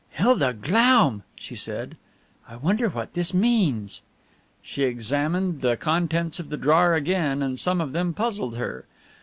"Hilda Glaum!" she said. "I wonder what this means!" She examined the contents of the drawer again and some of them puzzled her.